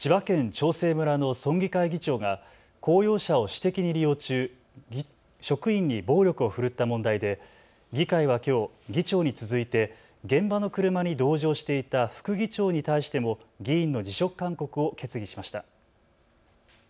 長生村の村議会議長が公用車を私的に利用中、職員に暴力を振るった問題で議会はきょう議長に続いて現場の車に同乗していた副議長に対しても議員の辞職勧告を決議しました。